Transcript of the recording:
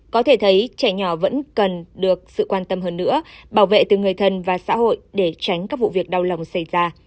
có thể thấy trẻ nhỏ vẫn cần được sự quan tâm hơn nữa bảo vệ từ người thân và xã hội để tránh các vụ việc đau lòng xảy ra